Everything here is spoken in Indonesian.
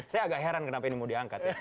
saya agak heran kenapa ini mau diangkat